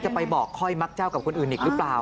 ไปบอกค่อยมักเจ้ากับคนอื่นอีกหรือเปล่า